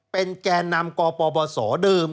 เป็นแก่นำกปบสเดิม